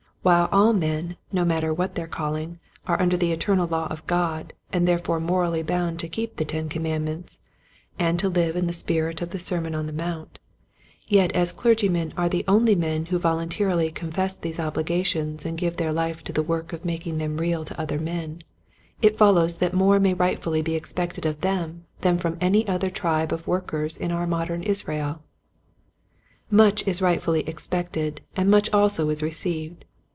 While all men, no 6 Quiet Hints to Growing Preachers. matter what their calHng, are under the eternal law of God, and therefore morally bound to keep the ten commandments and to live in the spirit of the Sermon on the Mount, yet as clergymen are the only men who voluntarily confess these obligations and give their life to the work of making them real to other men, it follows that more may rightfully be expected of them than from any other tribe of workers in our modern Israel. Much is rightfully expected and much also is received.